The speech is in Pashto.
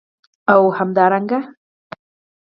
او همدارنګه